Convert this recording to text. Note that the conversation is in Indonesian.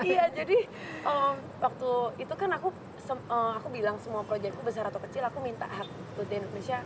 iya jadi waktu itu kan aku bilang semua proyekku besar atau kecil aku minta hak untuk di indonesia